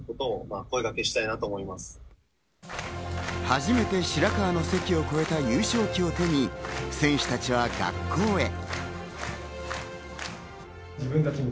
初めて白河の関を越えた優勝旗を手に選手たちは学校へ。